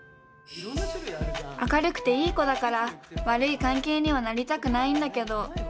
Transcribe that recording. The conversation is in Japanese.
明るくていい子だから悪い関係にはなりたくないんだけど。